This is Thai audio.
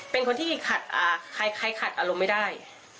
เป็นคนที่ใครขัดอารมณ์ไม่ได้